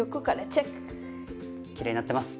きれいになってます。